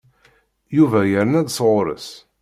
Yuba yerna-d sɣur-s.